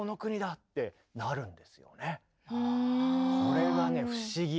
これがね不思議。